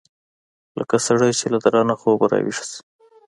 لکه سړى چې له درانه خوبه راويښ سي.